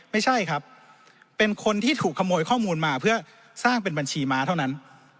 ไม่ใช่ครับเป็นคนที่ถูกขโมยข้อมูลมาเพื่อสร้างเป็นบัญชีม้าเท่านั้น